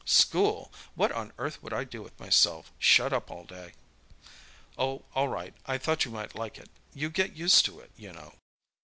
School! What on earth would I do with myself, shut up all day?" "Oh, all right; I thought you might like it. You get used to it, you know."